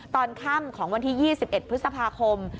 ตอนค่ำของวันที่๒๑พฤษภาคม